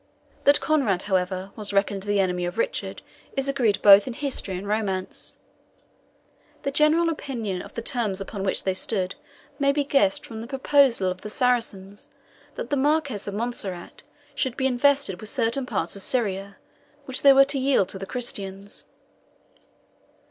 That Conrade, however, was reckoned the enemy of Richard is agreed both in history and romance. The general opinion of the terms upon which they stood may be guessed from the proposal of the Saracens that the Marquis of Montserrat should be invested with certain parts of Syria, which they were to yield to the Christians.